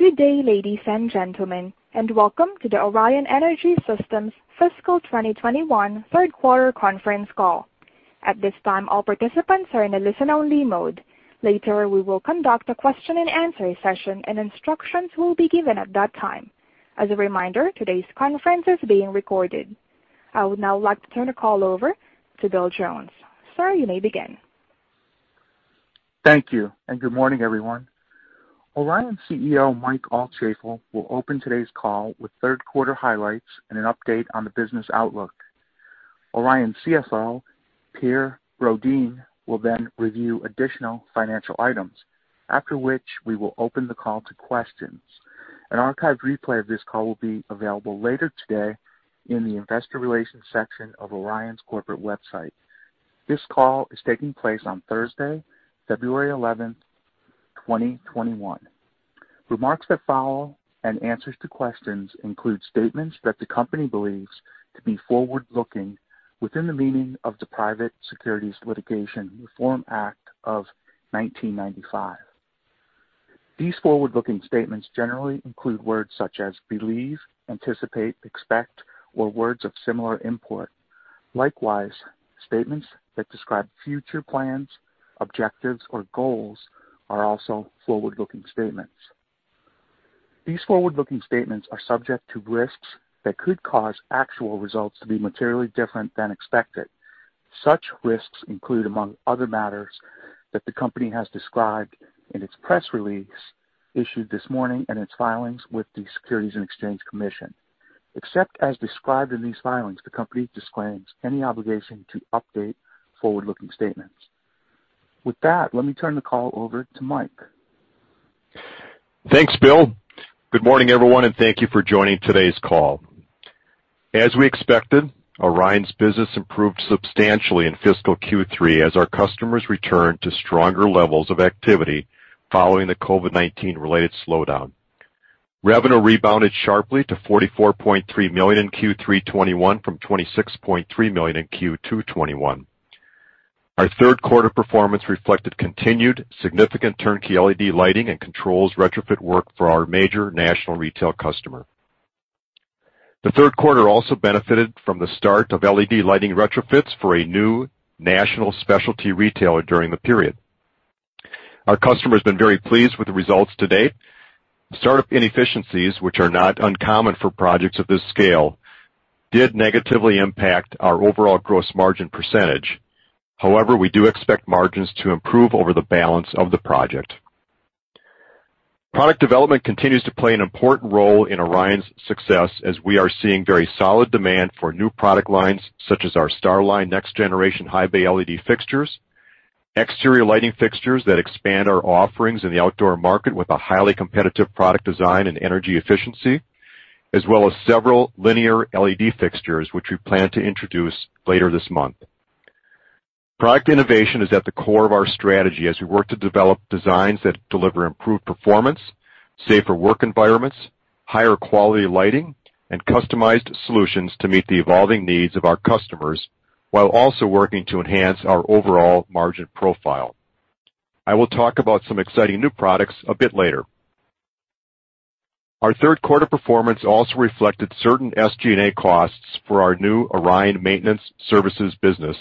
Good day, ladies and gentlemen, and welcome to the Orion Energy Systems Fiscal 2021 third-quarter conference call. At this time, all participants are in a listen-only mode. Later, we will conduct a question-and-answer session, and instructions will be given at that time. As a reminder, today's conference is being recorded. I would now like to turn the call over to Bill Jones. Sir, you may begin. Thank you, and good morning, everyone. Orion CEO Mike Altschaefl will open today's call with third-quarter highlights and an update on the business outlook. Orion CFO Per Brodin will then review additional financial items, after which we will open the call to questions. An archived replay of this call will be available later today in the investor relations section of Orion's corporate website. This call is taking place on Thursday, February 11th, 2021. Remarks that follow and answers to questions include statements that the company believes to be forward-looking within the meaning of the Private Securities Litigation Reform Act of 1995. These forward-looking statements generally include words such as believe, anticipate, expect, or words of similar import. Likewise, statements that describe future plans, objectives, or goals are also forward-looking statements. These forward-looking statements are subject to risks that could cause actual results to be materially different than expected. Such risks include, among other matters, that the company has described in its press release issued this morning and its filings with the Securities and Exchange Commission. Except as described in these filings, the company disclaims any obligation to update forward-looking statements. With that, let me turn the call over to Mike. Thanks, Bill. Good morning, everyone, and thank you for joining today's call. As we expected, Orion's business improved substantially in fiscal Q3 as our customers returned to stronger levels of activity following the COVID-19-related slowdown. Revenue rebounded sharply to $44.3 million in Q3 2021 from $26.3 million in Q2 2021. Our third-quarter performance reflected continued significant turnkey LED lighting and controls retrofit work for our major national retail customer. The third quarter also benefited from the start of LED lighting retrofits for a new national specialty retailer during the period. Our customer has been very pleased with the results to date. Startup inefficiencies, which are not uncommon for projects of this scale, did negatively impact our overall gross margin percentage. However, we do expect margins to improve over the balance of the project. Product development continues to play an important role in Orion's success as we are seeing very solid demand for new product lines such as our StarLine Next Generation High Bay LED fixtures, exterior lighting fixtures that expand our offerings in the outdoor market with a highly competitive product design and energy efficiency, as well as several linear LED fixtures which we plan to introduce later this month. Product innovation is at the core of our strategy as we work to develop designs that deliver improved performance, safer work environments, higher quality lighting, and customized solutions to meet the evolving needs of our customers while also working to enhance our overall margin profile. I will talk about some exciting new products a bit later. Our third-quarter performance also reflected certain SG&A costs for our new Orion Maintenance Services business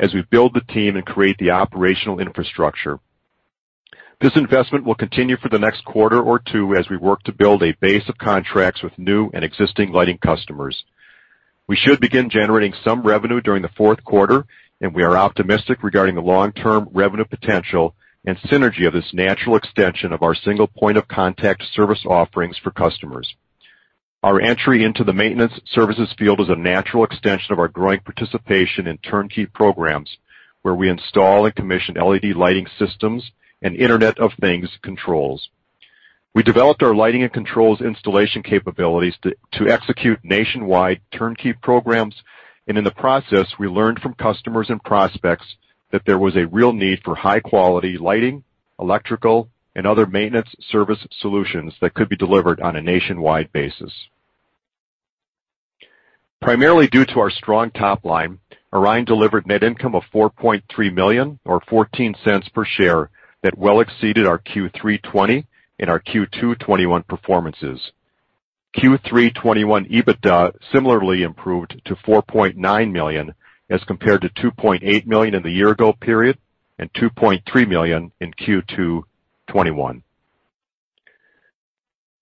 as we build the team and create the operational infrastructure. This investment will continue for the next quarter or two as we work to build a base of contracts with new and existing lighting customers. We should begin generating some revenue during the fourth quarter, and we are optimistic regarding the long-term revenue potential and synergy of this natural extension of our single point-of-contact service offerings for customers. Our entry into the maintenance services field is a natural extension of our growing participation in turnkey programs where we install and commission LED lighting systems and Internet of Things controls. We developed our lighting and controls installation capabilities to execute nationwide turnkey programs, and in the process, we learned from customers and prospects that there was a real need for high-quality lighting, electrical, and other maintenance service solutions that could be delivered on a nationwide basis. Primarily due to our strong top line, Orion delivered net income of $4.3 million, or $0.14 per share, that well exceeded our Q3 2020 and our Q2 2021 performances. Q3 2021 EBITDA similarly improved to $4.9 million as compared to $2.8 million in the year-ago period and $2.3 million in Q2 2021.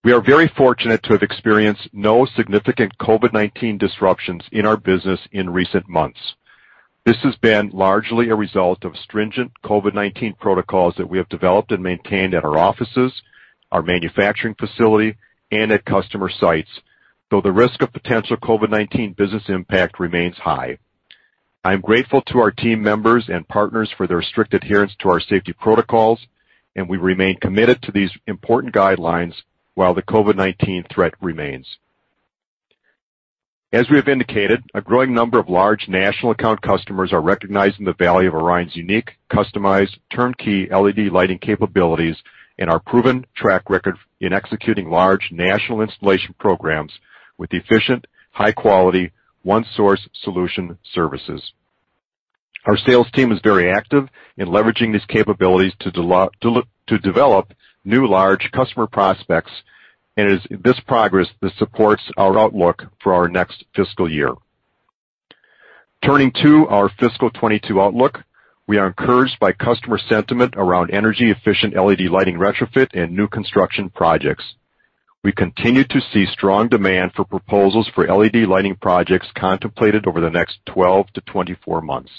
We are very fortunate to have experienced no significant COVID-19 disruptions in our business in recent months. This has been largely a result of stringent COVID-19 protocols that we have developed and maintained at our offices, our manufacturing facility, and at customer sites, though the risk of potential COVID-19 business impact remains high. I'm grateful to our team members and partners for their strict adherence to our safety protocols, and we remain committed to these important guidelines while the COVID-19 threat remains. As we have indicated, a growing number of large national account customers are recognizing the value of Orion's unique customized turnkey LED lighting capabilities and our proven track record in executing large national installation programs with efficient, high-quality, one-source solution services. Our sales team is very active in leveraging these capabilities to develop new large customer prospects, and it is this progress that supports our outlook for our next fiscal year. Turning to our fiscal 2022 outlook, we are encouraged by customer sentiment around energy-efficient LED lighting retrofit and new construction projects. We continue to see strong demand for proposals for LED lighting projects contemplated over the next 12 to 24 months.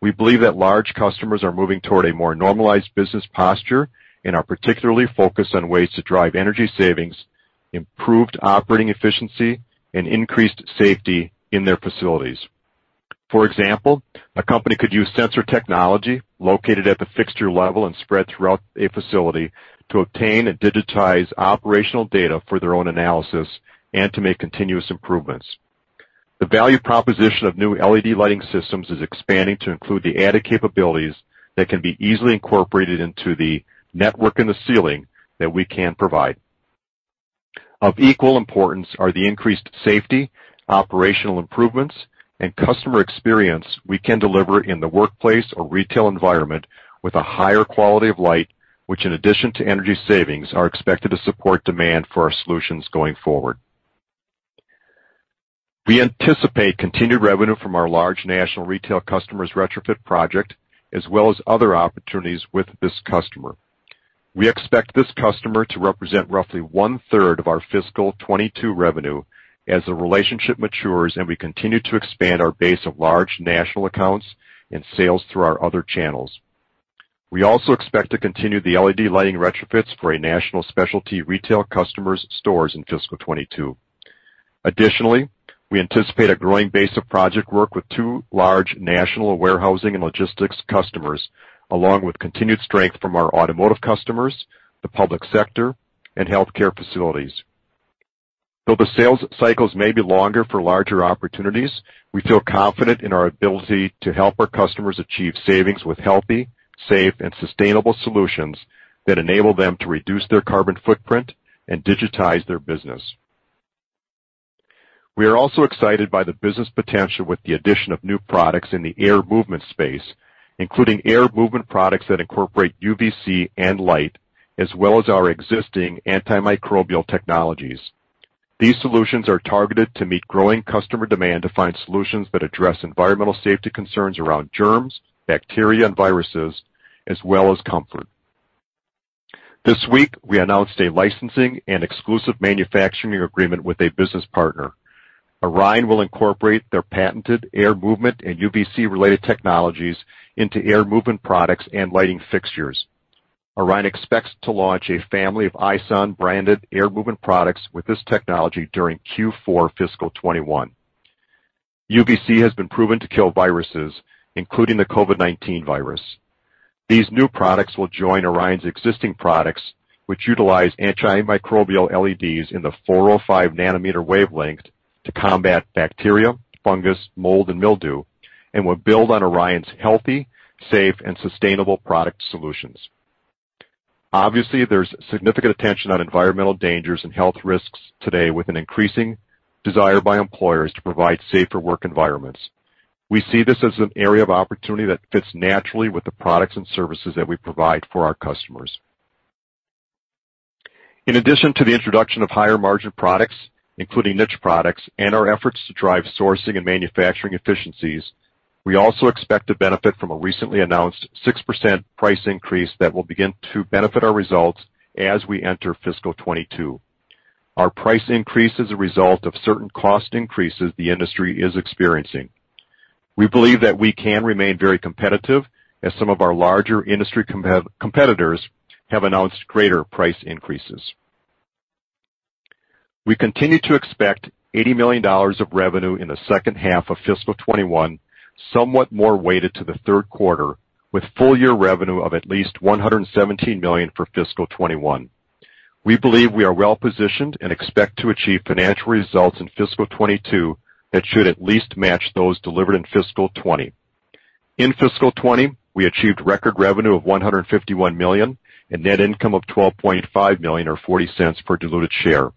We believe that large customers are moving toward a more normalized business posture and are particularly focused on ways to drive energy savings, improved operating efficiency, and increased safety in their facilities. For example, a company could use sensor technology located at the fixture level and spread throughout a facility to obtain and digitize operational data for their own analysis and to make continuous improvements. The value proposition of new LED lighting systems is expanding to include the added capabilities that can be easily incorporated into the network in the ceiling that we can provide. Of equal importance are the increased safety, operational improvements, and customer experience we can deliver in the workplace or retail environment with a higher quality of light, which, in addition to energy savings, are expected to support demand for our solutions going forward. We anticipate continued revenue from our large national retail customers' retrofit project, as well as other opportunities with this customer. We expect this customer to represent roughly one-third of our fiscal 2022 revenue as the relationship matures and we continue to expand our base of large national accounts and sales through our other channels. We also expect to continue the LED lighting retrofits for our national specialty retail customers' stores in fiscal 2022. Additionally, we anticipate a growing base of project work with two large national warehousing and logistics customers, along with continued strength from our automotive customers, the public sector, and healthcare facilities. Though the sales cycles may be longer for larger opportunities, we feel confident in our ability to help our customers achieve savings with healthy, safe, and sustainable solutions that enable them to reduce their carbon footprint and digitize their business. We are also excited by the business potential with the addition of new products in the air movement space, including air movement products that incorporate UVC and light, as well as our existing antimicrobial technologies. These solutions are targeted to meet growing customer demand to find solutions that address environmental safety concerns around germs, bacteria, and viruses, as well as comfort. This week, we announced a licensing and exclusive manufacturing agreement with a business partner. Orion will incorporate their patented air movement and UVC-related technologies into air movement products and lighting fixtures. Orion expects to launch a family of Aison-branded air movement products with this technology during Q4 fiscal 2021. UVC has been proven to kill viruses, including the COVID-19 virus. These new products will join Orion's existing products, which utilize antimicrobial LEDs in the 405-nanometer wavelength to combat bacteria, fungus, mold, and mildew, and will build on Orion's healthy, safe, and sustainable product solutions. Obviously, there's significant attention on environmental dangers and health risks today, with an increasing desire by employers to provide safer work environments. We see this as an area of opportunity that fits naturally with the products and services that we provide for our customers. In addition to the introduction of higher-margin products, including niche products, and our efforts to drive sourcing and manufacturing efficiencies, we also expect to benefit from a recently announced 6% price increase that will begin to benefit our results as we enter fiscal 2022. Our price increase is a result of certain cost increases the industry is experiencing. We believe that we can remain very competitive as some of our larger industry competitors have announced greater price increases. We continue to expect $80 million of revenue in the second half of fiscal 2021, somewhat more weighted to the third quarter, with full-year revenue of at least $117 million for fiscal 2021. We believe we are well-positioned and expect to achieve financial results in fiscal 2022 that should at least match those delivered in fiscal 2020. In fiscal 2020, we achieved record revenue of $151 million and net income of $12.5 million, or 40 cents per diluted share.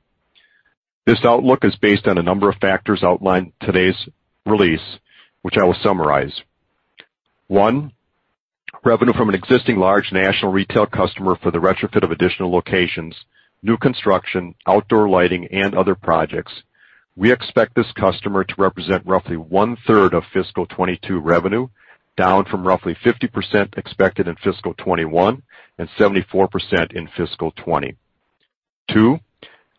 This outlook is based on a number of factors outlined in today's release, which I will summarize. One, revenue from an existing large national retail customer for the retrofit of additional locations, new construction, outdoor lighting, and other projects. We expect this customer to represent roughly one-third of fiscal 2022 revenue, down from roughly 50% expected in fiscal 2021 and 74% in fiscal 2020. Two,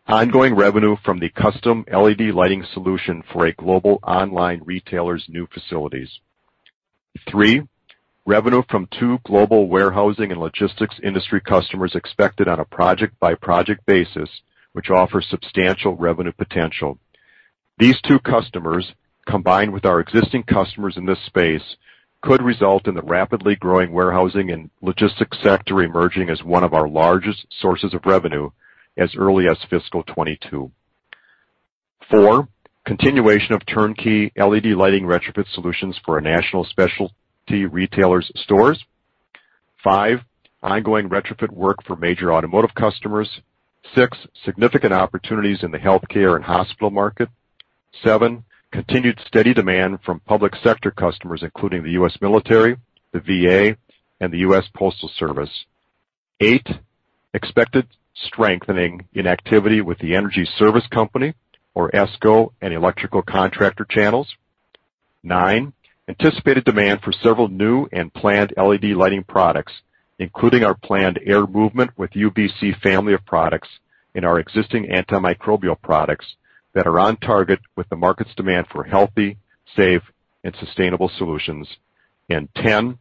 ongoing revenue from the custom LED lighting solution for a global online retailer's new facilities. Three, revenue from two global warehousing and logistics industry customers expected on a project-by-project basis, which offers substantial revenue potential. These two customers, combined with our existing customers in this space, could result in the rapidly growing warehousing and logistics sector emerging as one of our largest sources of revenue as early as fiscal 2022. Four, continuation of turnkey LED lighting retrofit solutions for our national specialty retailers' stores. Five, ongoing retrofit work for major automotive customers. Six, significant opportunities in the healthcare and hospital market. Seven, continued steady demand from public sector customers, including the U.S. military, the VA, and the U.S. Postal Service. Eight, expected strengthening in activity with the energy service company, or ESCO, and electrical contractor channels. Nine, anticipated demand for several new and planned LED lighting products, including our planned air movement with UVC family of products and our existing antimicrobial products that are on target with the market's demand for healthy, safe, and sustainable solutions. And ten,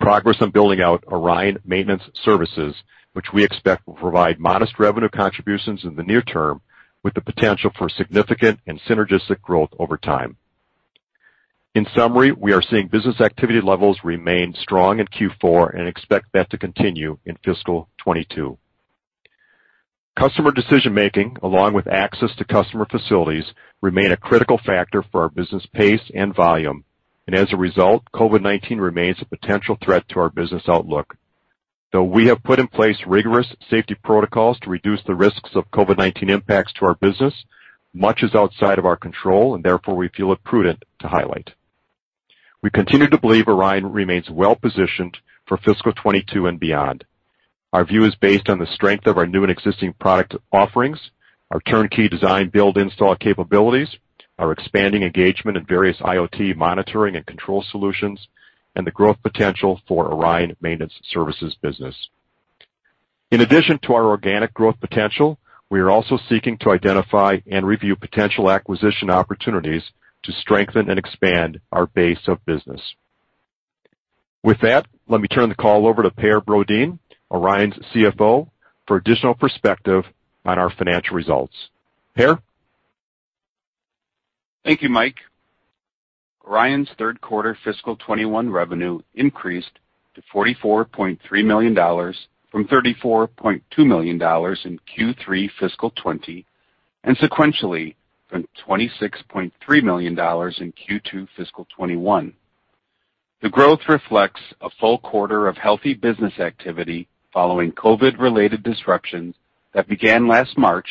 progress on building out Orion Maintenance Services, which we expect will provide modest revenue contributions in the near term with the potential for significant and synergistic growth over time. In summary, we are seeing business activity levels remain strong in Q4 and expect that to continue in fiscal 2022. Customer decision-making, along with access to customer facilities, remains a critical factor for our business pace and volume. And as a result, COVID-19 remains a potential threat to our business outlook. Though we have put in place rigorous safety protocols to reduce the risks of COVID-19 impacts to our business, much is outside of our control, and therefore we feel it prudent to highlight. We continue to believe Orion remains well-positioned for fiscal 2022 and beyond. Our view is based on the strength of our new and existing product offerings, our turnkey design, build, install capabilities, our expanding engagement in various IoT monitoring and control solutions, and the growth potential for Orion Maintenance Services business. In addition to our organic growth potential, we are also seeking to identify and review potential acquisition opportunities to strengthen and expand our base of business. With that, let me turn the call over to Per Brodin, Orion's CFO, for additional perspective on our financial results. Per? Thank you, Mike. Orion's third-quarter fiscal 2021 revenue increased to $44.3 million from $34.2 million in Q3 fiscal 2020 and sequentially from $26.3 million in Q2 fiscal 2021. The growth reflects a full quarter of healthy business activity following COVID-related disruptions that began last March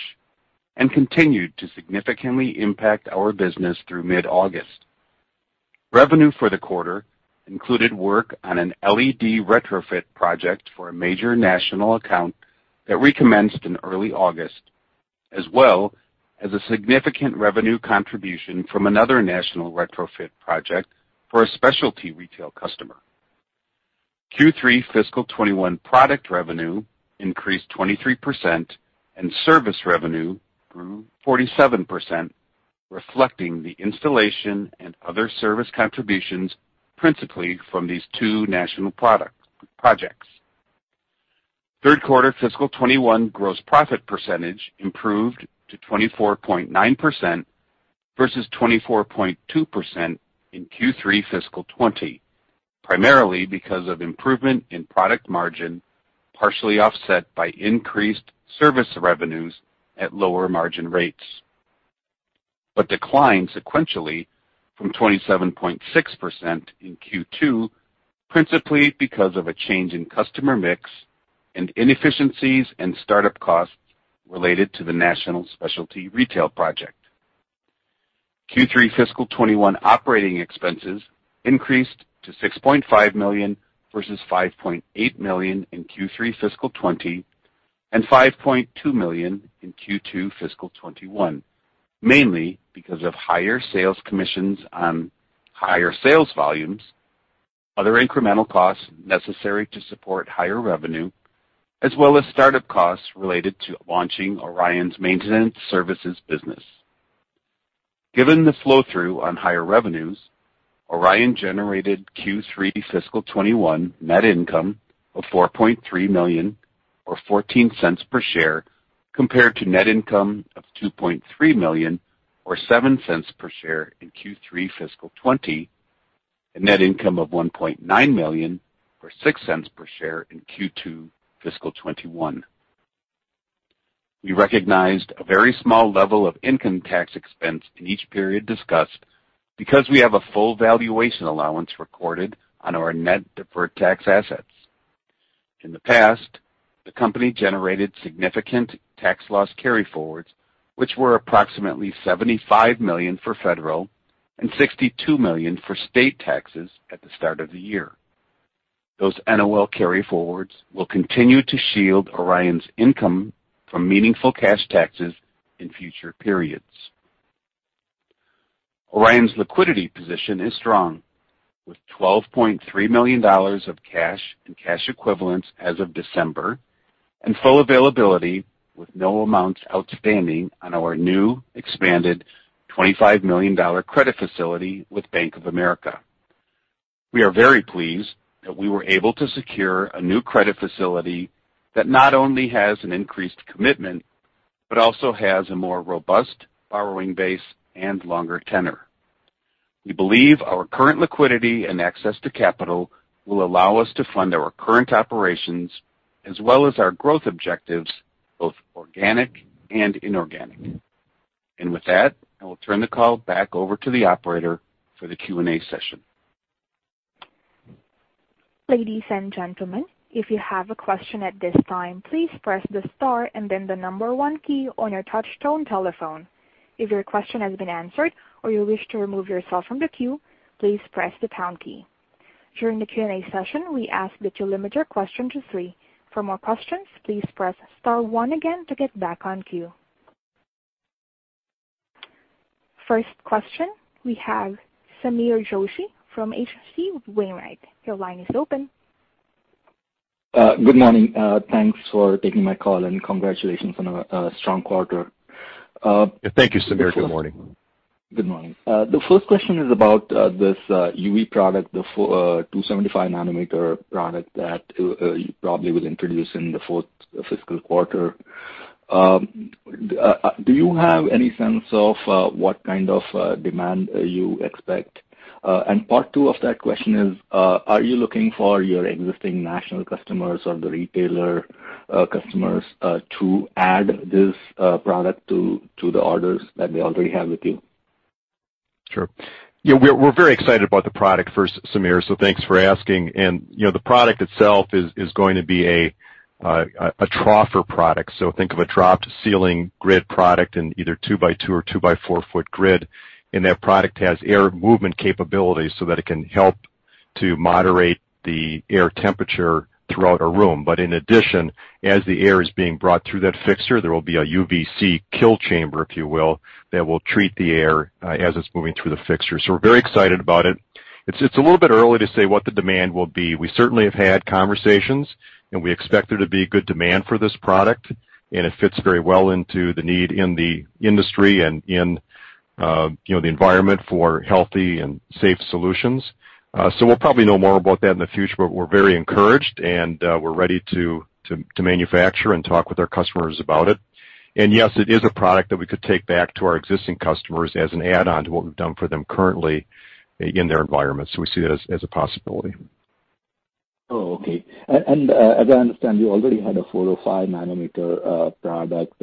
and continued to significantly impact our business through mid-August. Revenue for the quarter included work on an LED retrofit project for a major national account that recommenced in early August, as well as a significant revenue contribution from another national retrofit project for a specialty retail customer. Q3 fiscal 2021 product revenue increased 23%, and service revenue grew 47%, reflecting the installation and other service contributions principally from these two national projects. Third-quarter fiscal 2021 gross profit percentage improved to 24.9% versus 24.2% in Q3 fiscal 2020, primarily because of improvement in product margin, partially offset by increased service revenues at lower margin rates, but declined sequentially from 27.6% in Q2 principally because of a change in customer mix and inefficiencies and startup costs related to the national specialty retail project. Q3 fiscal 2021 operating expenses increased to $6.5 million versus $5.8 million in Q3 fiscal 2020 and $5.2 million in Q2 fiscal 2021, mainly because of higher sales commissions on higher sales volumes, other incremental costs necessary to support higher revenue, as well as startup costs related to launching Orion's Maintenance Services business. Given the flow-through on higher revenues, Orion generated Q3 fiscal 2021 net income of $4.3 million, or $0.14 per share, compared to net income of $2.3 million, or $0.07 per share in Q3 fiscal 2020, and net income of $1.9 million, or $0.06 per share in Q2 fiscal 2021. We recognized a very small level of income tax expense in each period discussed because we have a full valuation allowance recorded on our net deferred tax assets. In the past, the company generated significant tax loss carryforwards, which were approximately $75 million for federal and $62 million for state taxes at the start of the year. Those NOL carryforwards will continue to shield Orion's income from meaningful cash taxes in future periods. Orion's liquidity position is strong, with $12.3 million of cash and cash equivalents as of December and full availability with no amounts outstanding on our new expanded $25 million credit facility with Bank of America. We are very pleased that we were able to secure a new credit facility that not only has an increased commitment but also has a more robust borrowing base and longer tenor. We believe our current liquidity and access to capital will allow us to fund our current operations as well as our growth objectives, both organic and inorganic. And with that, I will turn the call back over to the operator for the Q&A session. Ladies and gentlemen, if you have a question at this time, please press the star and then the number one key on your touch-tone telephone. If your question has been answered or you wish to remove yourself from the queue, please press the pound key. During the Q&A session, we ask that you limit your question to three. For more questions, please press star one again to get back on queue. First question, we have Samir Joshi from H.C. Wainwright. Your line is open. Good morning. Thanks for taking my call and congratulations on a strong quarter. Thank you, Samir. Good morning. Good morning. The first question is about this UV product, the 275-nanometer product that you probably will introduce in the fourth fiscal quarter. Do you have any sense of what kind of demand you expect? And part two of that question is, are you looking for your existing national customers or the retailer customers to add this product to the orders that they already have with you? Sure. Yeah, we're very excited about the product, Samir, so thanks for asking. The product itself is going to be a troffer product. Think of a dropped ceiling grid product in either 2x2 or 2x4 foot grid. That product has air movement capabilities so that it can help to moderate the air temperature throughout a room. But in addition, as the air is being brought through that fixture, there will be a UVC kill chamber, if you will, that will treat the air as it's moving through the fixture. We're very excited about it. It's a little bit early to say what the demand will be. We certainly have had conversations, and we expect there to be good demand for this product. It fits very well into the need in the industry and in the environment for healthy and safe solutions. So we'll probably know more about that in the future, but we're very encouraged, and we're ready to manufacture and talk with our customers about it. And yes, it is a product that we could take back to our existing customers as an add-on to what we've done for them currently in their environment. So we see that as a possibility. Oh, okay. And as I understand, you already had a 405-nanometer product.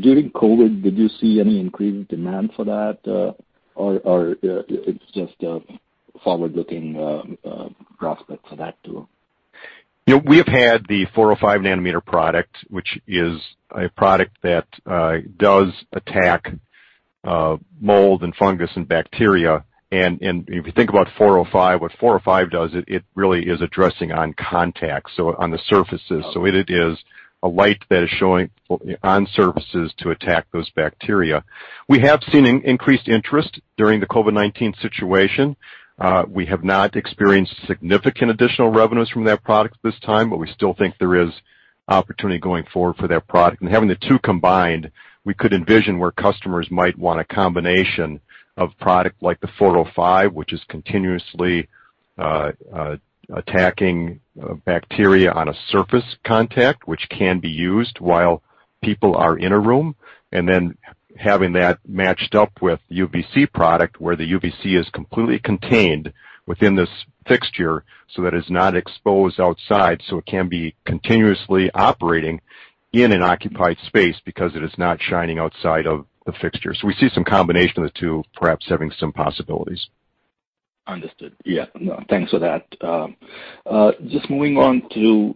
During COVID, did you see any increased demand for that, or it's just a forward-looking prospect for that too? We have had the 405-nanometer product, which is a product that does attack mold and fungus and bacteria. And if you think about 405, what 405 does, it really is addressing on contacts, so on the surfaces. So it is a light that is showing on surfaces to attack those bacteria. We have seen increased interest during the COVID-19 situation. We have not experienced significant additional revenues from that product at this time, but we still think there is opportunity going forward for that product. And having the two combined, we could envision where customers might want a combination of product like the 405, which is continuously attacking bacteria on a surface contact, which can be used while people are in a room, and then having that matched up with UVC product where the UVC is completely contained within this fixture so that it is not exposed outside, so it can be continuously operating in an occupied space because it is not shining outside of the fixture. So we see some combination of the two, perhaps having some possibilities. Understood. Yeah. Thanks for that. Just moving on to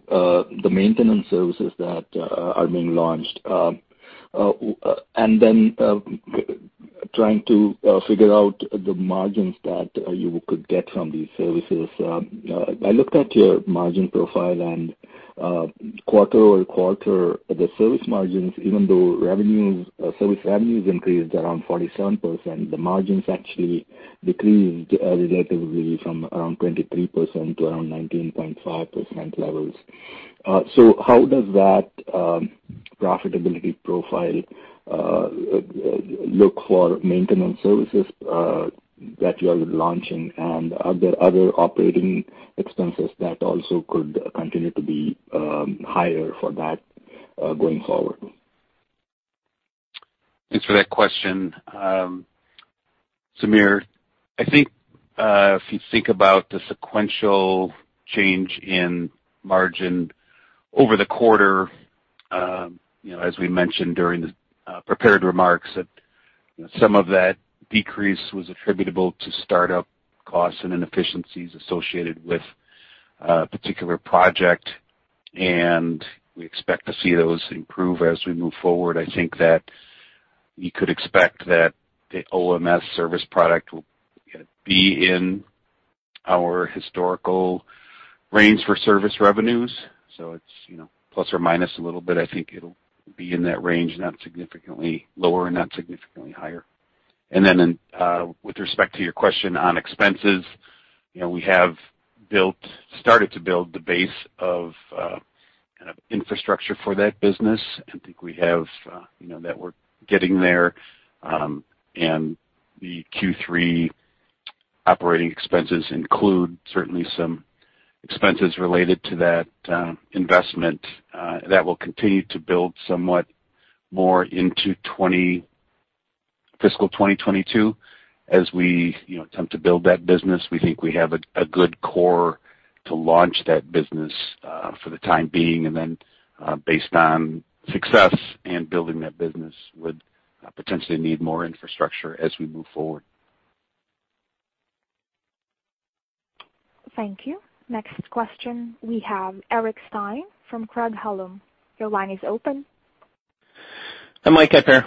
the maintenance services that are being launched and then trying to figure out the margins that you could get from these services. I looked at your margin profile, and quarter over quarter, the service margins, even though service revenues increased around 47%, the margins actually decreased relatively from around 23% to around 19.5% levels. So how does that profitability profile look for maintenance services that you are launching, and are there other operating expenses that also could continue to be higher for that going forward? Thanks for that question. Samir, I think if you think about the sequential change in margin over the quarter, as we mentioned during the prepared remarks, that some of that decrease was attributable to startup costs and inefficiencies associated with a particular project. And we expect to see those improve as we move forward. I think that you could expect that the OMS service product will be in our historical range for service revenues. So it's plus or minus a little bit. I think it'll be in that range, not significantly lower and not significantly higher. And then with respect to your question on expenses, we have started to build the base of kind of infrastructure for that business. I think we have that we're getting there. And the Q3 operating expenses include certainly some expenses related to that investment that will continue to build somewhat more into fiscal 2022. As we attempt to build that business, we think we have a good core to launch that business for the time being. And then based on success and building that business, we would potentially need more infrastructure as we move forward. Thank you. Next question, we have Eric Stine from Craig-Halum. Your line is open. Hi, Mike. Hi, Per.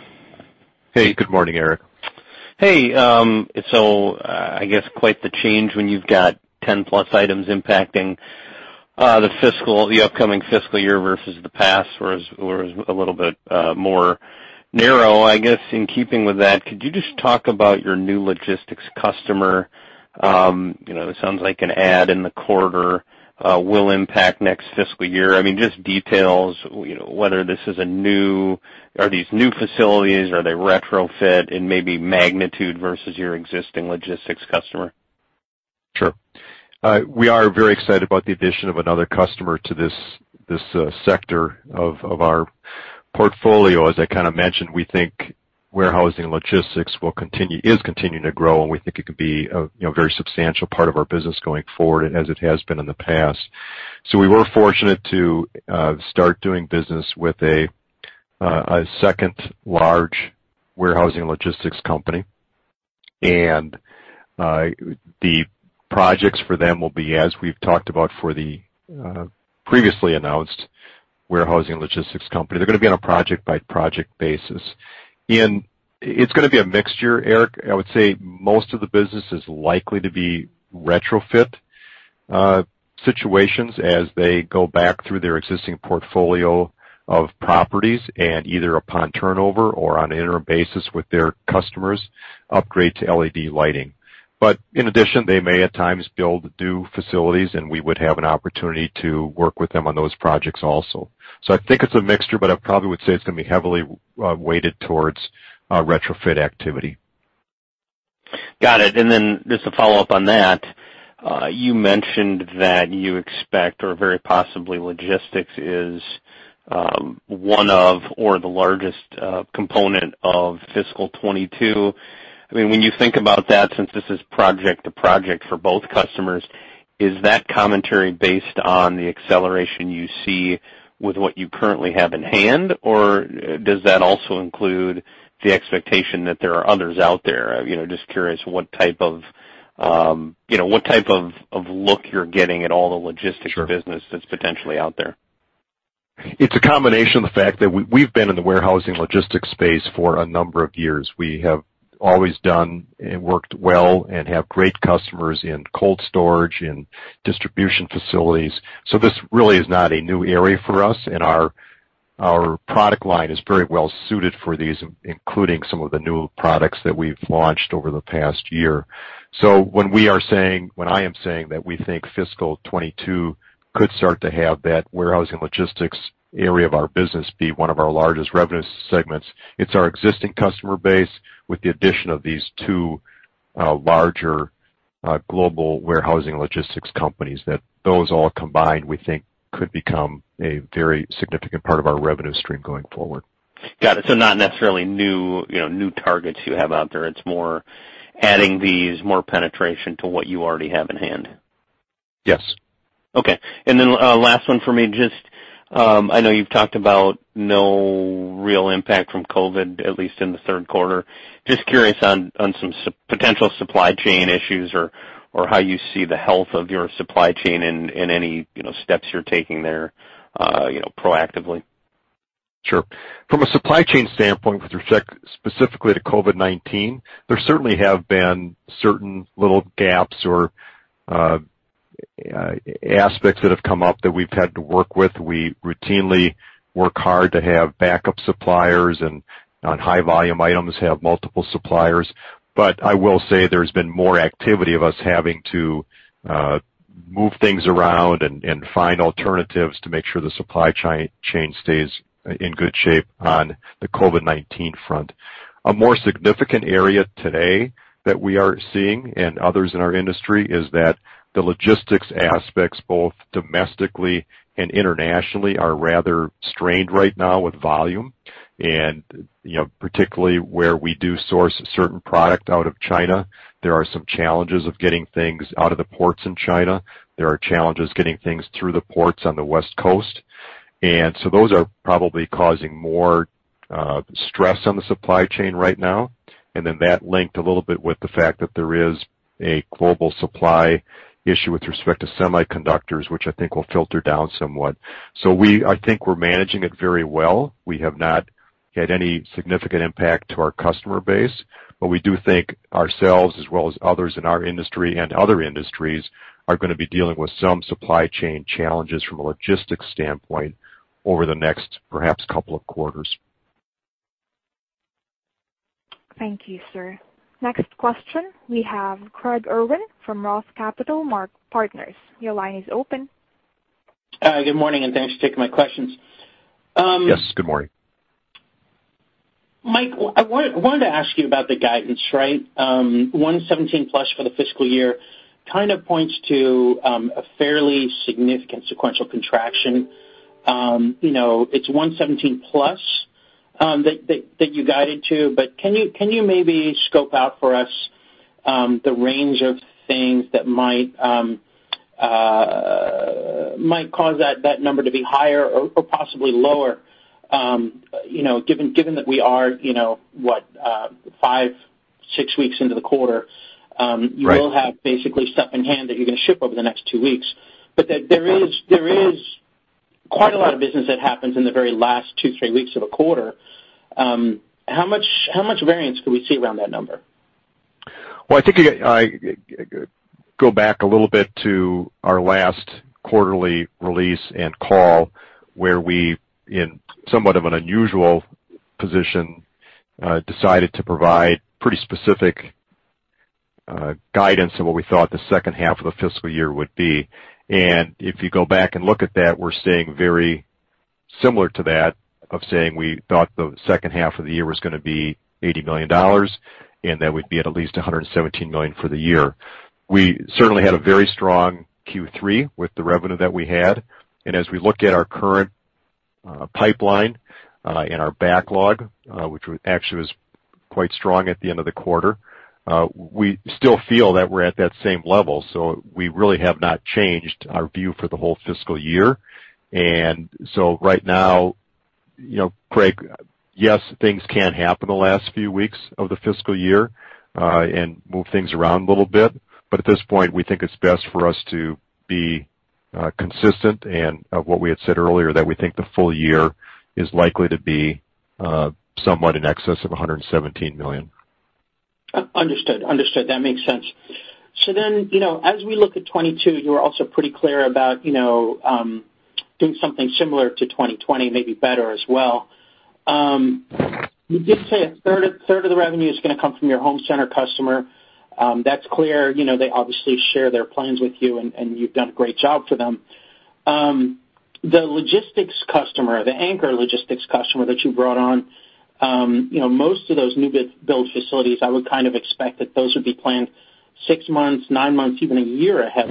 Hey, good morning, Eric. Hey. So I guess quite the change when you've got 10-plus items impacting the upcoming fiscal year versus the past was a little bit more narrow. I guess in keeping with that, could you just talk about your new logistics customer? It sounds like an add in the quarter will impact next fiscal year. I mean, just details, whether this is a new are these new facilities, are they retrofit in maybe magnitude versus your existing logistics customer? Sure. We are very excited about the addition of another customer to this sector of our portfolio. As I kind of mentioned, we think warehousing logistics is continuing to grow, and we think it could be a very substantial part of our business going forward as it has been in the past. So we were fortunate to start doing business with a second large warehousing logistics company. And the projects for them will be, as we've talked about for the previously announced warehousing logistics company. They're going to be on a project-by-project basis. And it's going to be a mixture, Eric. I would say most of the business is likely to be retrofit situations as they go back through their existing portfolio of properties and either upon turnover or on an interim basis with their customers upgrade to LED lighting. But in addition, they may at times build new facilities, and we would have an opportunity to work with them on those projects also. So I think it's a mixture, but I probably would say it's going to be heavily weighted towards retrofit activity. Got it. And then just to follow up on that, you mentioned that you expect or very possibly logistics is one of or the largest component of fiscal 2022. I mean, when you think about that, since this is project to project for both customers, is that commentary based on the acceleration you see with what you currently have in hand, or does that also include the expectation that there are others out there? Just curious what type of look you're getting at all the logistics business that's potentially out there. It's a combination of the fact that we've been in the warehousing logistics space for a number of years. We have always done and worked well and have great customers in cold storage and distribution facilities. So this really is not a new area for us. Our product line is very well suited for these, including some of the new products that we've launched over the past year. So when I am saying that we think fiscal 2022 could start to have that warehousing logistics area of our business be one of our largest revenue segments, it's our existing customer base with the addition of these two larger global warehousing logistics companies that those all combined, we think, could become a very significant part of our revenue stream going forward. Got it. So not necessarily new targets you have out there. It's more adding these, more penetration to what you already have in hand. Yes. Okay. And then last one for me, just I know you've talked about no real impact from COVID, at least in the third quarter. Just curious on some potential supply chain issues or how you see the health of your supply chain and any steps you're taking there proactively? Sure. From a supply chain standpoint, with respect specifically to COVID-19, there certainly have been certain little gaps or aspects that have come up that we've had to work with. We routinely work hard to have backup suppliers and on high-volume items have multiple suppliers. But I will say there's been more activity of us having to move things around and find alternatives to make sure the supply chain stays in good shape on the COVID-19 front. A more significant area today that we are seeing and others in our industry is that the logistics aspects, both domestically and internationally, are rather strained right now with volume. Particularly where we do source certain product out of China, there are some challenges of getting things out of the ports in China. There are challenges getting things through the ports on the West Coast. And so those are probably causing more stress on the supply chain right now. And then that linked a little bit with the fact that there is a global supply issue with respect to semiconductors, which I think will filter down somewhat. So I think we're managing it very well. We have not had any significant impact to our customer base. But we do think ourselves, as well as others in our industry and other industries, are going to be dealing with some supply chain challenges from a logistics standpoint over the next perhaps couple of quarters. Thank you, sir. Next question, we have Craig Irwin from Roth Capital Partners. Your line is open. Hi, good morning, and thanks for taking my questions. Yes, good morning. Mike, I wanted to ask you about the guidance, right? 117-plus for the fiscal year kind of points to a fairly significant sequential contraction. It's 117-plus that you guided to. But can you maybe scope out for us the range of things that might cause that number to be higher or possibly lower? Given that we are, what, five, six weeks into the quarter, you will have basically stuff in hand that you're going to ship over the next two weeks. But there is quite a lot of business that happens in the very last two, three weeks of a quarter. How much variance could we see around that number? I think I go back a little bit to our last quarterly release and call where we, in somewhat of an unusual position, decided to provide pretty specific guidance of what we thought the second half of the fiscal year would be. If you go back and look at that, we're seeing very similar to that of saying we thought the second half of the year was going to be $80 million, and that we'd be at least $117 million for the year. We certainly had a very strong Q3 with the revenue that we had. As we look at our current pipeline and our backlog, which actually was quite strong at the end of the quarter, we still feel that we're at that same level. We really have not changed our view for the whole fiscal year. So right now, Craig, yes, things can happen the last few weeks of the fiscal year and move things around a little bit. But at this point, we think it's best for us to be consistent. And of what we had said earlier, that we think the full year is likely to be somewhat in excess of $117 million. Understood. Understood. That makes sense. Then as we look at 2022, you were also pretty clear about doing something similar to 2020, maybe better as well. You did say a third of the revenue is going to come from your home center customer. That's clear. They obviously share their plans with you, and you've done a great job for them. The logistics customer, the anchor logistics customer that you brought on, most of those new build facilities, I would kind of expect that those would be planned six months, nine months, even a year ahead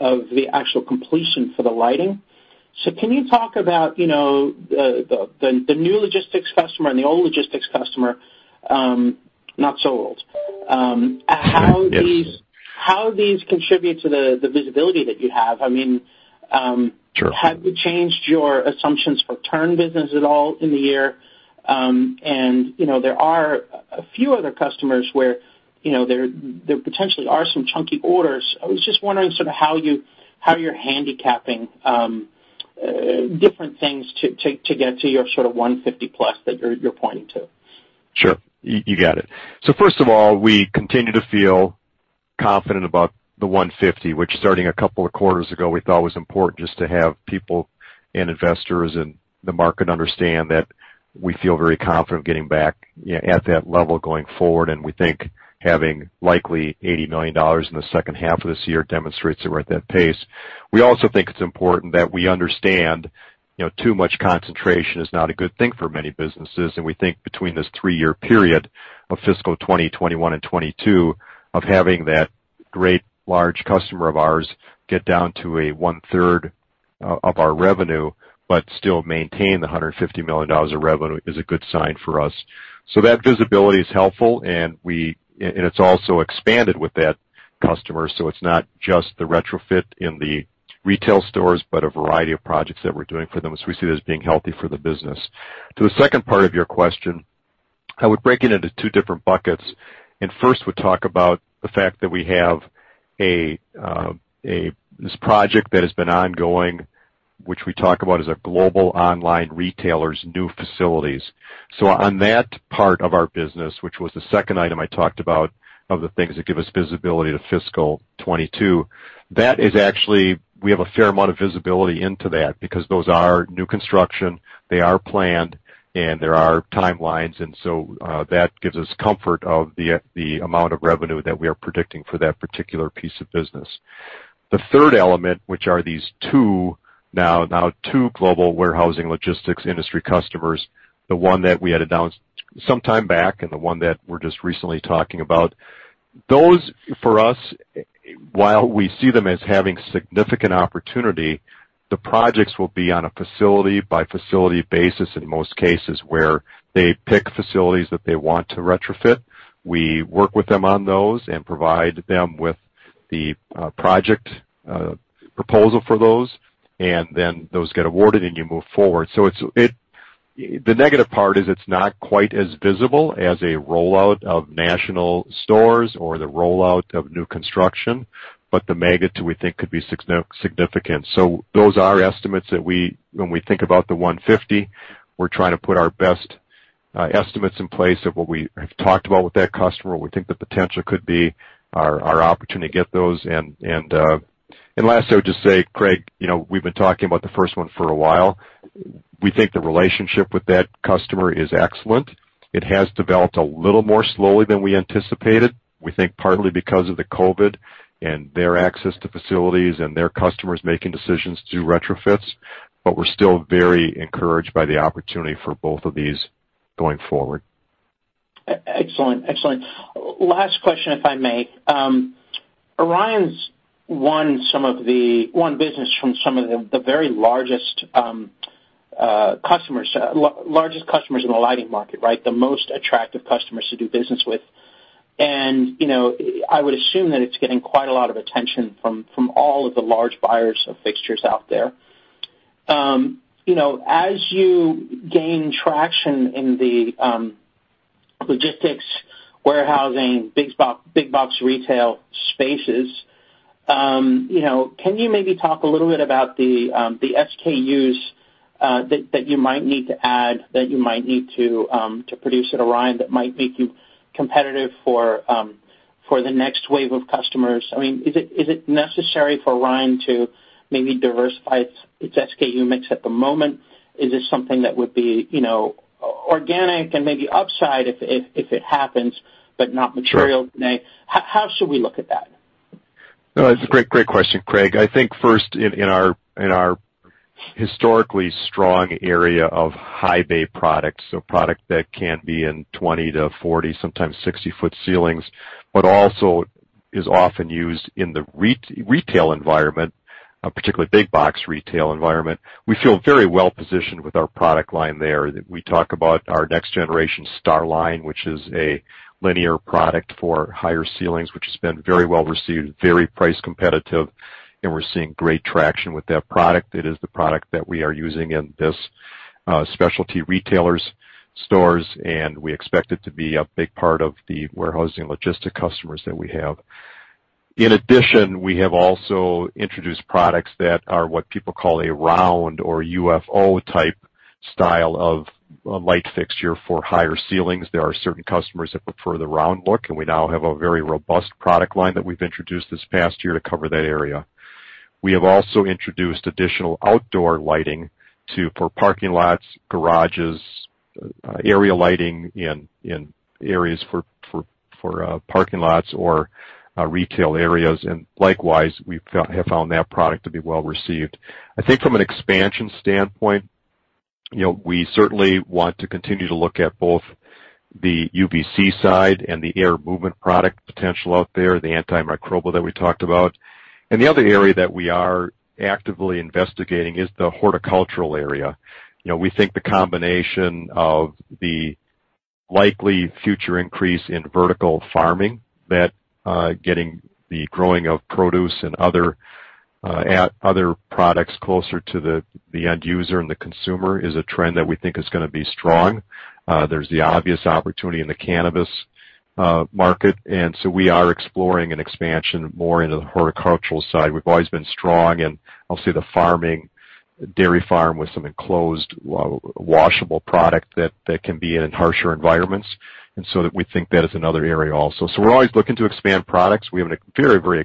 of the actual completion for the lighting. So can you talk about the new logistics customer and the old logistics customer, not so old, how these contribute to the visibility that you have? I mean, have you changed your assumptions for turn business at all in the year? And there are a few other customers where there potentially are some chunky orders. I was just wondering sort of how you're handicapping different things to get to your sort of 150-plus that you're pointing to. Sure. You got it. First of all, we continue to feel confident about the 150, which starting a couple of quarters ago, we thought was important just to have people and investors in the market understand that we feel very confident of getting back at that level going forward. And we think having likely $80 million in the second half of this year demonstrates that we're at that pace. We also think it's important that we understand too much concentration is not a good thing for many businesses. And we think between this three-year period of fiscal 2021 and 2022, of having that great large customer of ours get down to a one-third of our revenue, but still maintain the $150 million of revenue is a good sign for us. So that visibility is helpful. And it's also expanded with that customer. It's not just the retrofit in the retail stores, but a variety of projects that we're doing for them. So we see this being healthy for the business. To the second part of your question, I would break it into two different buckets. And first, we'll talk about the fact that we have this project that has been ongoing, which we talk about as a global online retailer's new facilities. So on that part of our business, which was the second item I talked about of the things that give us visibility to fiscal 2022, that is, actually, we have a fair amount of visibility into that because those are new construction. They are planned, and there are timelines. And so that gives us comfort of the amount of revenue that we are predicting for that particular piece of business. The third element, which are these two now two global warehousing logistics industry customers, the one that we had announced sometime back and the one that we're just recently talking about, those for us, while we see them as having significant opportunity, the projects will be on a facility-by-facility basis in most cases where they pick facilities that they want to retrofit. We work with them on those and provide them with the project proposal for those, and then those get awarded, and you move forward, so the negative part is it's not quite as visible as a rollout of national stores or the rollout of new construction, but the magnitude we think could be significant. So those are estimates that when we think about the 150, we're trying to put our best estimates in place of what we have talked about with that customer, what we think the potential could be, our opportunity to get those. And last, I would just say, Craig, we've been talking about the first one for a while. We think the relationship with that customer is excellent. It has developed a little more slowly than we anticipated, we think partly because of the COVID and their access to facilities and their customers making decisions to do retrofits. But we're still very encouraged by the opportunity for both of these going forward. Excellent. Excellent. Last question, if I may. Orion's won some of the new business from some of the very largest customers, largest customers in the lighting market, right? The most attractive customers to do business with. I would assume that it's getting quite a lot of attention from all of the large buyers of fixtures out there. As you gain traction in the logistics, warehousing, big box retail spaces, can you maybe talk a little bit about the SKUs that you might need to add, that you might need to produce at Orion that might make you competitive for the next wave of customers? I mean, is it necessary for Orion to maybe diversify its SKU mix at the moment? Is it something that would be organic and maybe upside if it happens, but not material today? How should we look at that? That's a great question, Craig. I think first, in our historically strong area of high bay products, so product that can be in 20-40-foot, sometimes 60-foot ceilings, but also is often used in the retail environment, particularly big box retail environment, we feel very well positioned with our product line there. We talk about our next generation Star Line, which is a linear product for higher ceilings, which has been very well received, very price competitive. And we're seeing great traction with that product. It is the product that we are using in this specialty retailers stores. And we expect it to be a big part of the warehousing logistic customers that we have. In addition, we have also introduced products that are what people call a round or UFO type style of light fixture for higher ceilings. There are certain customers that prefer the round look. We now have a very robust product line that we've introduced this past year to cover that area. We have also introduced additional outdoor lighting for parking lots, garages, area lighting in areas for parking lots or retail areas. Likewise, we have found that product to be well received. I think from an expansion standpoint, we certainly want to continue to look at both the UVC side and the air movement product potential out there, the antimicrobial that we talked about. The other area that we are actively investigating is the horticultural area. We think the combination of the likely future increase in vertical farming, that getting the growing of produce and other products closer to the end user and the consumer is a trend that we think is going to be strong. There's the obvious opportunity in the cannabis market. And so we are exploring an expansion more into the horticultural side. We've always been strong in, I'll say, the farming, dairy farm with some enclosed washable product that can be in harsher environments. And so we think that is another area also. So we're always looking to expand products. We have a very, very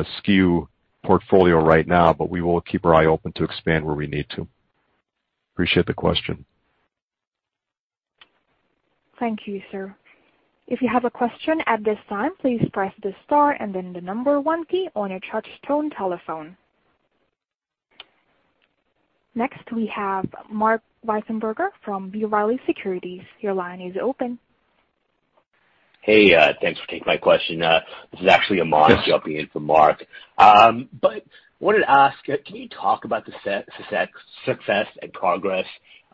extensive SKU portfolio right now, but we will keep our eye open to expand where we need to. Appreciate the question. Thank you, sir. If you have a question at this time, please press the star and then the number one key on your touch-tone telephone. Next, we have Marc Wiesenberger from B. Riley Securities. Your line is open. Hey, thanks for taking my question. This is actually Matt jumping in for Marc. But I wanted to ask, can you talk about the success and progress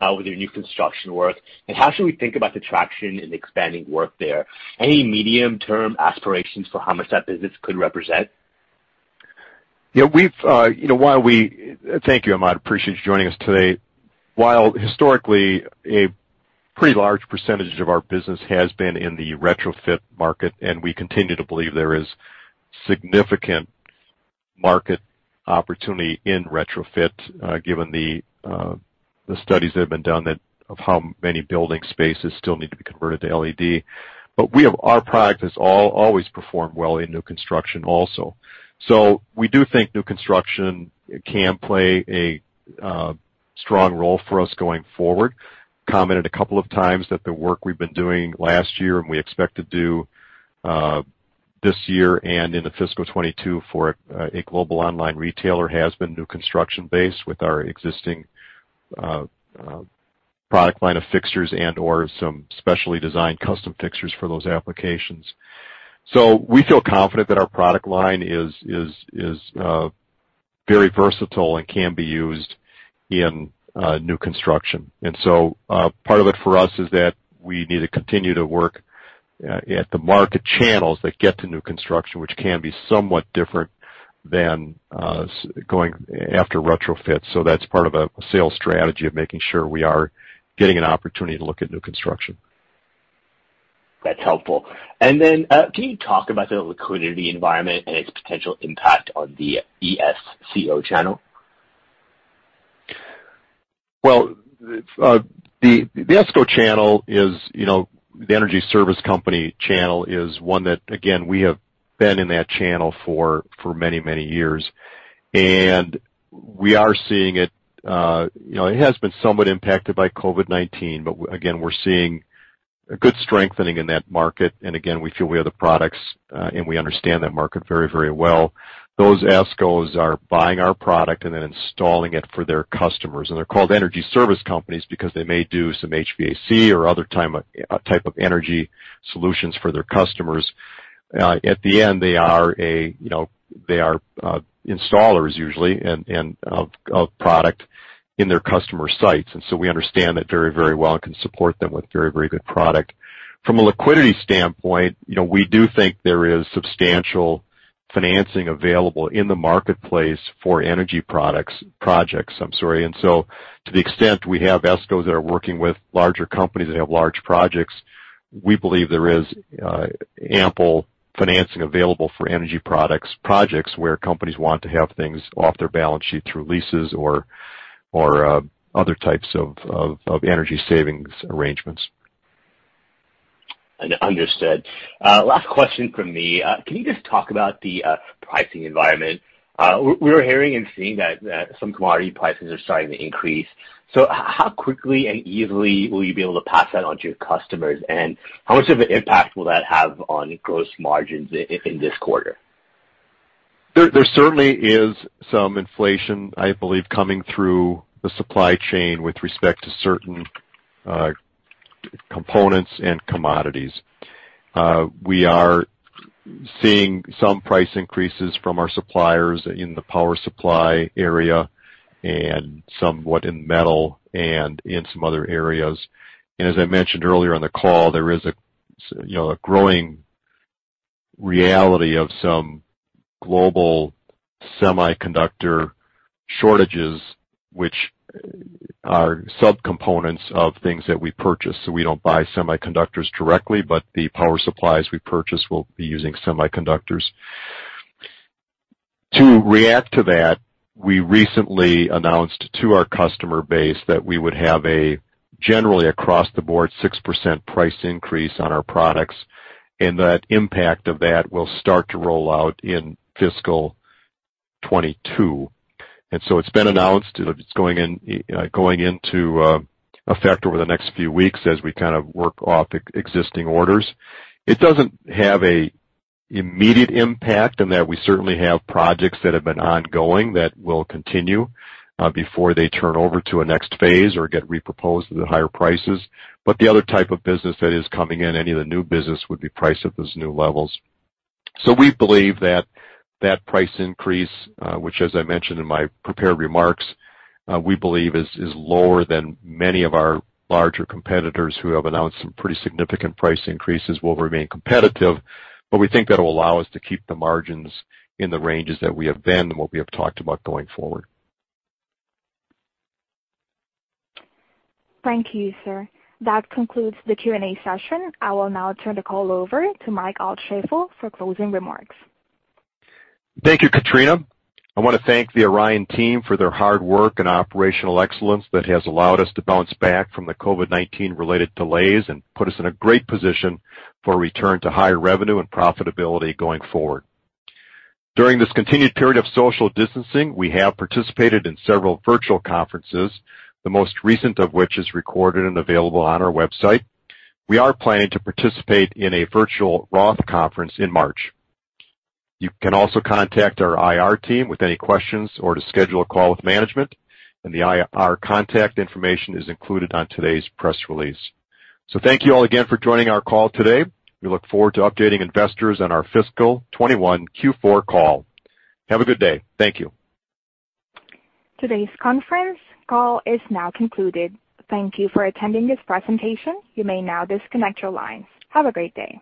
with your new construction work? And how should we think about the traction and expanding work there? Any medium-term aspirations for how much that business could represent? Yeah. Thank you, Amit. Appreciate you joining us today. While historically, a pretty large percentage of our business has been in the retrofit market, and we continue to believe there is significant market opportunity in retrofit given the studies that have been done of how many building spaces still need to be converted to LED. But our product has always performed well in new construction also. So we do think new construction can play a strong role for us going forward. Commented a couple of times that the work we've been doing last year and we expect to do this year and in the fiscal 2022 for a global online retailer has been new construction base with our existing product line of fixtures and/or some specially designed custom fixtures for those applications. So we feel confident that our product line is very versatile and can be used in new construction. And so part of it for us is that we need to continue to work at the market channels that get to new construction, which can be somewhat different than going after retrofits. So that's part of a sales strategy of making sure we are getting an opportunity to look at new construction. That's helpful. And then can you talk about the liquidity environment and its potential impact on the ESCO channel? The ESCO channel is the energy service company channel is one that, again, we have been in that channel for many, many years. And we are seeing it. It has been somewhat impacted by COVID-19, but again, we're seeing a good strengthening in that market. And again, we feel we have the products, and we understand that market very, very well. Those ESCOs are buying our product and then installing it for their customers. And they're called energy service companies because they may do some HVAC or other type of energy solutions for their customers. At the end, they are installers usually of product in their customer sites. And so we understand that very, very well and can support them with very, very good product. From a liquidity standpoint, we do think there is substantial financing available in the marketplace for energy products, projects, I'm sorry. And so to the extent we have ESCOs that are working with larger companies that have large projects, we believe there is ample financing available for energy products, projects where companies want to have things off their balance sheet through leases or other types of energy savings arrangements. Understood. Last question for me. Can you just talk about the pricing environment? We were hearing and seeing that some commodity prices are starting to increase. So how quickly and easily will you be able to pass that on to your customers? And how much of an impact will that have on gross margins in this quarter? There certainly is some inflation, I believe, coming through the supply chain with respect to certain components and commodities. We are seeing some price increases from our suppliers in the power supply area and somewhat in metal and in some other areas. And as I mentioned earlier on the call, there is a growing reality of some global semiconductor shortages, which are subcomponents of things that we purchase. So we don't buy semiconductors directly, but the power supplies we purchase will be using semiconductors. To react to that, we recently announced to our customer base that we would have a generally across the board 6% price increase on our products. And that impact of that will start to roll out in fiscal 2022. And so it's been announced. It's going into effect over the next few weeks as we kind of work off existing orders. It doesn't have an immediate impact in that we certainly have projects that have been ongoing that will continue before they turn over to a next phase or get reproposed at higher prices. But the other type of business that is coming in, any of the new business would be priced at those new levels. So we believe that that price increase, which, as I mentioned in my prepared remarks, we believe is lower than many of our larger competitors who have announced some pretty significant price increases, will remain competitive. But we think that will allow us to keep the margins in the ranges that we have been and what we have talked about going forward. Thank you, sir. That concludes the Q&A session. I will now turn the call over to Mike Altschaefl for closing remarks. Thank you, Katrina. I want to thank the Orion team for their hard work and operational excellence that has allowed us to bounce back from the COVID-19 related delays and put us in a great position for a return to higher revenue and profitability going forward. During this continued period of social distancing, we have participated in several virtual conferences, the most recent of which is recorded and available on our website. We are planning to participate in a virtual Roth conference in March. You can also contact our IR team with any questions or to schedule a call with management, and our contact information is included on today's press release, so thank you all again for joining our call today. We look forward to updating investors on our fiscal 2021 Q4 call. Have a good day. Thank you. Today's conference call is now concluded. Thank you for attending this presentation. You may now disconnect your lines. Have a great day.